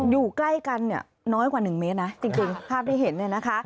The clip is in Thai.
อยู่ใกล้กันน้อยกว่า๑เมตรนะจริงภาพที่เห็น